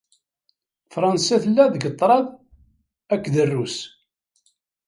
Fransa tella deg ṭṭraḍ akked Rrus.